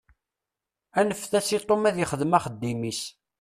Anfet-as i Tom ad ixdem axeddim-is.